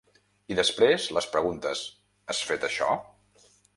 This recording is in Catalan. I després, les preguntes: Has fet això?